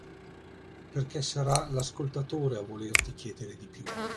Perché sarà l’ascoltatore a volerti chiedere di più.